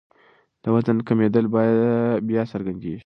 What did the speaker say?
د وزن کمېدل بیا څرګندېږي.